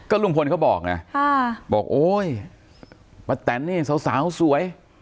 ก็ลุงพลเขาบอกนะโอ้ยป้าแตนนี่เองสาวสวย